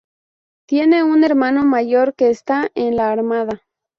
Tiene un hermano mayor que está en la armada.